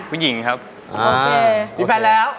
ผู้หญิงครับโอเคมีแฟนแล้ว